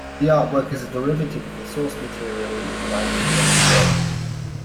The artwork is a derivative of the source material you provided me yesterday.